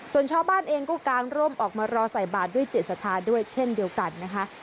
ส่วนชาวบ้านเองก็กางร่มออกมารอใส่บาทด้วยจิตศรัทธาด้วยเช่นเดียวกันนะคะ